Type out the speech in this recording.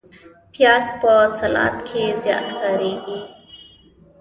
پیاز په سلاد کې زیات کارېږي